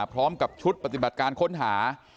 พร้อมกับชุดปฏิบัติการค้นหา